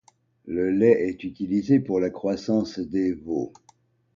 Le lait est utilisé pour la croissance des veaux.